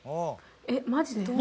えっマジで？